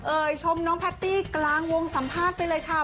ชมน้องแพตตี้กลางวงสัมภาษณ์ไปเลยค่ะ